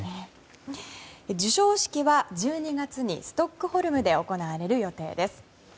授賞式は１２月にストックホルムで行われる予定です。